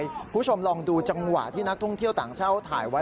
คุณผู้ชมลองดูจังหวะที่นักท่องเที่ยวต่างเช่าถ่ายไว้